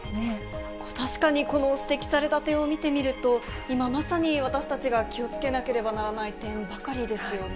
確かにこの指摘された点を見てみると、今まさに私たちが気をつけなければならない点ばかりですよね。